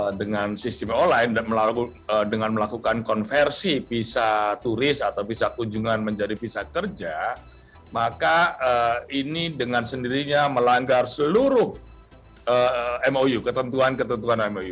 dengan sistem online dengan melakukan konversi visa turis atau visa kunjungan menjadi visa kerja maka ini dengan sendirinya melanggar seluruh mou ketentuan ketentuan mou